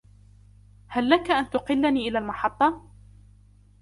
هل لك أن تقلني إلى المحطة ؟